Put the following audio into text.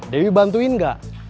dewi bantuin gak